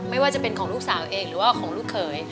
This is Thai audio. ไม่ว่าจะเป็นของลูกสาวเองหรือว่าของลูกเขย